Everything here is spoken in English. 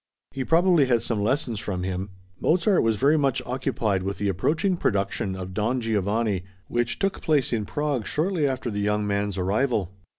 He probably had some lessons from him. Mozart was very much occupied with the approaching production of Don Giovanni, which took place in Prague shortly after the young man's arrival.